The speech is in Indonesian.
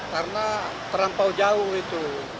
karena terampau jauh itu